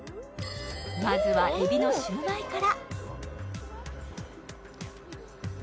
まずは、えびのシューマイから。